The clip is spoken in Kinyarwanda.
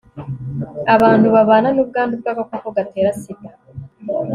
abantu babana n'ubwandu bw'agakoko getera sida